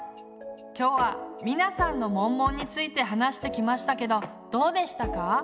今日はミナさんのモンモンについて話してきましたけどどうでしたか？